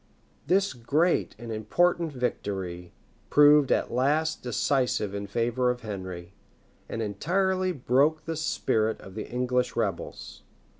This great and important victory proved at last decisive in favor of Henry, and entirely broke the spirit of the English rebels.